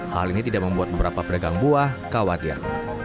hal ini tidak membuat beberapa pedagang buah khawatir